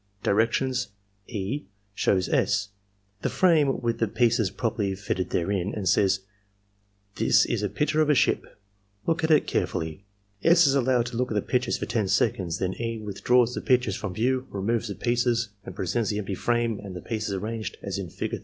Directions, — E. shows S. the frame with the pieces properly fitted therein, and says: '' This is a picture of a ship. Look at it carefully.^' S. is allowed to look at the picture for 10 seconds; then E. withdraws the picture from view, removes the pieces, and presents the empty frame and the pieces arranged as in Fig.